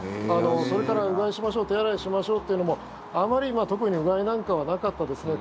それから、うがいしましょう手洗いしましょうというのもあまり特にうがいなんかはなかったですね。